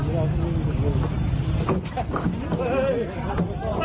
สวัสดีครับ